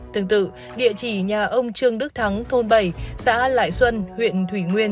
tương tự địa chỉ nhà ông trương đức thắng thôn bảy xã lại xuân huyện thủy nguyên